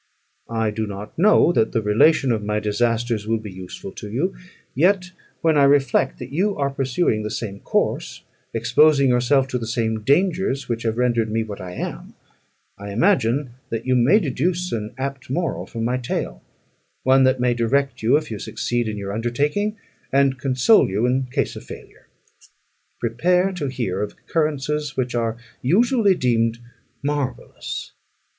I do not know that the relation of my disasters will be useful to you; yet, when I reflect that you are pursuing the same course, exposing yourself to the same dangers which have rendered me what I am, I imagine that you may deduce an apt moral from my tale; one that may direct you if you succeed in your undertaking, and console you in case of failure. Prepare to hear of occurrences which are usually deemed marvellous.